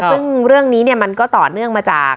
ซึ่งเรื่องนี้เนี่ยมันก็ต่อเนื่องมาจาก